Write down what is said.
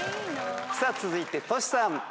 さあ続いてトシさん。